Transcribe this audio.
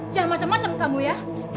ya macam macam kamu ya